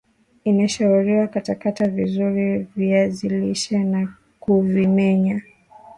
inashauriwa Katakata vizuri viazi lishe na kuvimenya